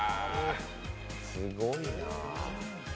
すごいなあ。